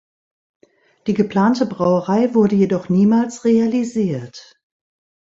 Die geplante Brauerei wurde jedoch niemals realisiert.